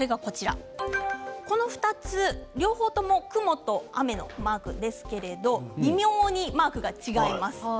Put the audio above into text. この２つ、両方とも雲と雨のマークですが微妙にマークが違います。